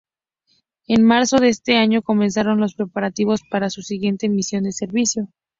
En marzo de ese año comenzaron los preparativos para su siguiente misión de servicio.